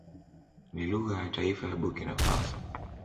Ni lugha ya taifa ya Burkina Faso.